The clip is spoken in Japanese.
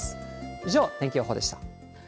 以上、天気予報でした。